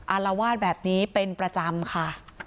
อารวาสแบบนี้เป็นประจำค่ะ